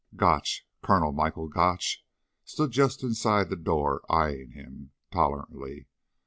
Gotch Colonel Michael Gotch stood just inside the door eyeing him tolerantly.